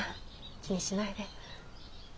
気にしないで。